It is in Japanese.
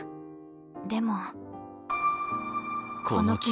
でも。